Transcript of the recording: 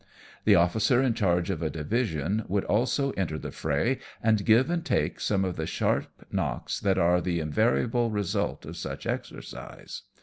The officer in charge of a division would also enter the fray, and give and take some of the sharp knocks that are the invariable result of such exercise.